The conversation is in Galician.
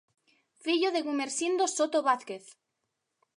Fillo de Gumersindo Soto Vázquez.